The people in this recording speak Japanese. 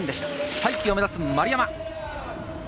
再起を目指す丸山。